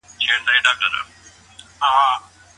همت ولرئ.